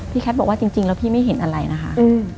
แคทบอกว่าจริงแล้วพี่ไม่เห็นอะไรนะคะ